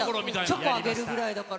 チョコあげるくらいだから。